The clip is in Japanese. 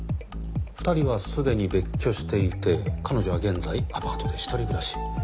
２人はすでに別居していて彼女は現在アパートで一人暮らし。